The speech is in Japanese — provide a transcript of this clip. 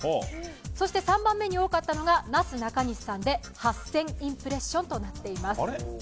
そして３番目に多かったのがなすなかにしさんで８０００インプレッションとなっています。